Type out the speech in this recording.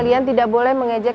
kau tidak boleh mengejek